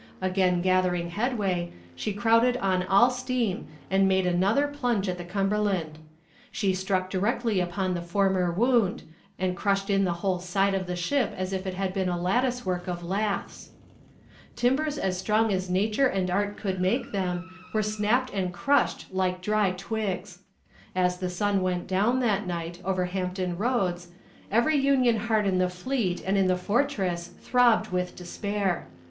Again gathering headway, she crowded on all steam and made another plunge at the Cumberland. She struck directly upon the former wound, and crushed in the whole side of the ship as if it had been a lattice work of laths. "Timbers as strong as nature and art could make them, were snapped and crushed like dry twigs. As the sun went down, that night, over Hampton Roads, every Union heart in the fleet and in the fortress throbbed with despair.